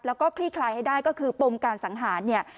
แล้วก็คลี่คลายให้ได้ก็คือปมการสังหารเนี่ย